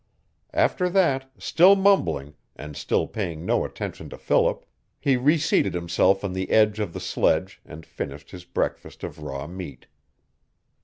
After that, still mumbling, and still paying no attention to Philip, he reseated himself on the edge of the sledge and finished his breakfast of raw meat.